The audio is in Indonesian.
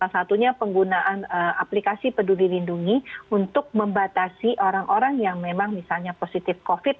satunya penggunaan aplikasi peduli lindungi untuk membatasi orang orang yang memang misalnya positif covid